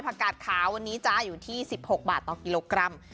กาดขาววันนี้จ๊ะอยู่ที่๑๖บาทต่อกิโลกรัม